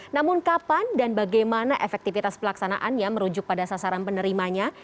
namun kapan dan bagaimana efektivitas pelaksanaannya merujuk pada sasaran penerimanya